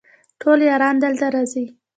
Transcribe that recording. ټول یاران دلته راځي